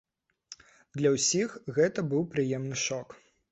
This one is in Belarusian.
Для ўсіх гэта быў прыемны шок.